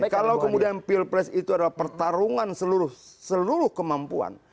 kalau kemudian pilpres itu adalah pertarungan seluruh kemampuan